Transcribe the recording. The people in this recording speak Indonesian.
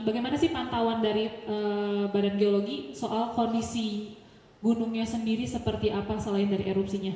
bagaimana sih pantauan dari badan geologi soal kondisi gunungnya sendiri seperti apa selain dari erupsinya